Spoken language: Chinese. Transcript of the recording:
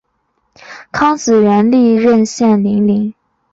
康子元历任献陵令。